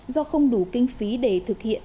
do không đủ kinh phí để thực hiện